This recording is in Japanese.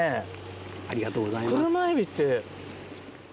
ありがとうございます。